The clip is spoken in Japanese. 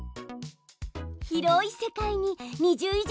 広い世界に２０以上の敵。